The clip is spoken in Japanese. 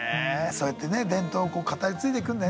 そうやってね伝統を語り継いでいくんだよね